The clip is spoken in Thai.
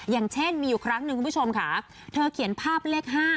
อย่างเช่นมีอยู่ครั้งหนึ่งคุณผู้ชมค่ะเธอเขียนภาพเลข๕